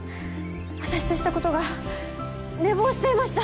私としたことが寝坊しちゃいました。